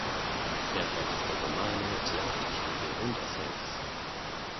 Er verfasste Romane, Theaterstücke und Essays.